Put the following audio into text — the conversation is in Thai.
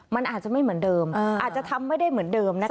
มันอาจจะไม่เหมือนเดิมอาจจะทำไม่ได้เหมือนเดิมนะคะ